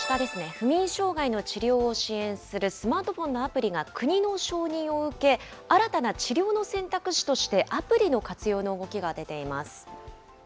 不眠障害の治療を支援するスマートフォンのアプリが、国の承認を受け、新たな治療の選択肢としてアプリの活用の動きが出ています。